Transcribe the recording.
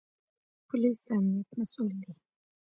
پولیس د امنیت مسوول دی